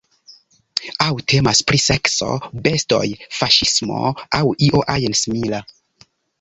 Aŭ temas pri sekso, bestoj, faŝismo aŭ io ajn simila.